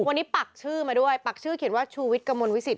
วันนี้ปักชื่อมาด้วยปักชื่อเขียนว่าชูวิทย์กระมวลวิสิต